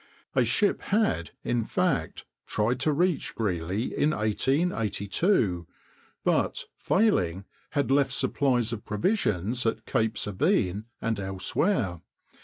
A ship had, in fact, tried to reach Greely in 1882, but, failing, had left supplies of provisions at Cape Sabine and elsewhere.